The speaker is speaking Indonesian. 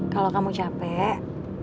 kalau kamu capek